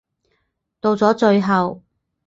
到咗最後